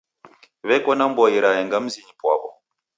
W'eko na mboi raenga mzinyi pwaw'o.